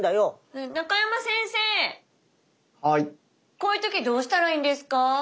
こういう時どうしたらいいんですか？